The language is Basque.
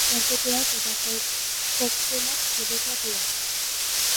Banketeak eta koktelak debekatuta.